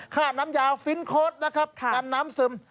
ค่าน้ำยาวฟินโค้ดนะครับกันน้ำซึม